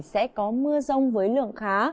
sẽ có mưa rông với lượng khá